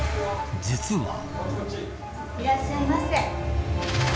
いらっしゃいませ。